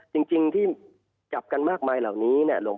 จริงที่จับกันมากมายเหล่านี้เนี่ย